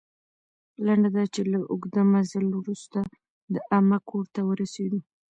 لنډه دا چې، له اوږده مزل وروسته د عمه کور ته ورسېدو.